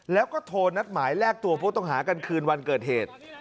แล้วก็โทรนัดหมายแลกตัวผู้ต้องหากันคืนวันเกิดเหตุ